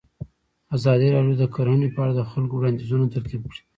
ازادي راډیو د کرهنه په اړه د خلکو وړاندیزونه ترتیب کړي.